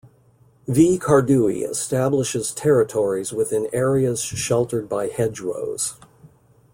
"V. cardui" establishes territories within areas sheltered by hedgerows.